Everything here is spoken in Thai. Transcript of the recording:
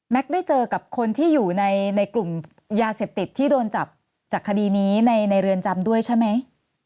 ได้เจอกับคนที่อยู่ในกลุ่มยาเสพติดที่โดนจับจากคดีนี้ในเรือนจำด้วยใช่ไหม